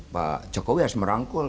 pak jokowi harus merangkul